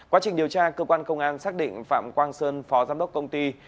quá trình điều tra cơ quan công an xác định phạm quang sơn phó giám đốc công ty